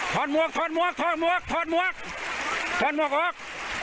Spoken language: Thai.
หมวกถอดหมวกถอดหมวกถอดหมวกถอดหมวกออก